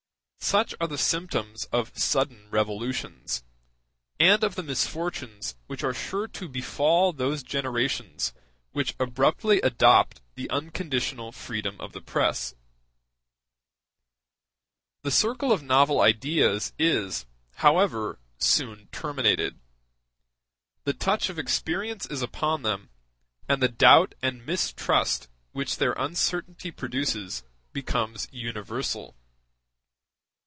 Such are the symptoms of sudden revolutions, and of the misfortunes which are sure to befall those generations which abruptly adopt the unconditional freedom of the press. The circle of novel ideas is, however, soon terminated; the touch of experience is upon them, and the doubt and mistrust which their uncertainty produces become universal.